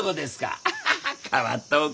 アハハ変わった奥方だ。